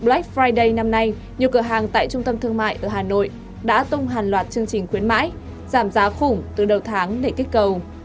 black friday năm nay nhiều cửa hàng tại trung tâm thương mại ở hà nội đã tung hàng loạt chương trình khuyến mãi giảm giá khủng từ đầu tháng để kích cầu